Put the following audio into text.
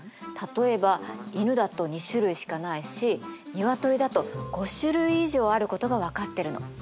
例えば犬だと２種類しかないし鶏だと５種類以上あることが分かってるの。